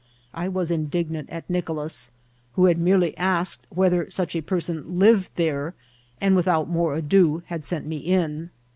I was indignant at Nicolas, who had merely asked whether such a person lived there, and without more ado had sent me in.